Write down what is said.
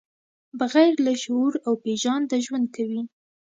بغیر له شعور او پېژانده ژوند کوي.